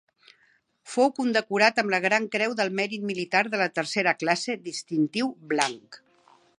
Fou condecorat amb la Gran Creu del Mèrit Militar de tercera classe distintiu blanc.